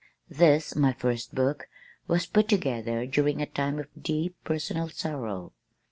This, my first book, was put together during a time of deep personal sorrow.